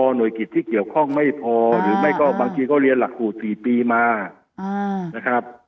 หน่วยกิจที่เกี่ยวข้องไม่พอหรือไม่ก็บางทีเขาเรียนหลักสูตร๔ปีมานะครับ